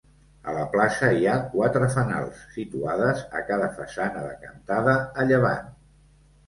A la plaça hi ha quatre fanals, situades a cada façana decantada a llevant.